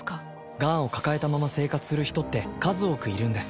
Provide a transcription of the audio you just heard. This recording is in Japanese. がんをかかえたまま生活する人って数多くいるんです